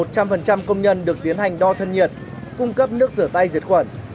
một trăm linh công nhân được tiến hành đo thân nhiệt cung cấp nước rửa tay diệt khuẩn